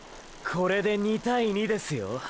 これで２対２ですよォ？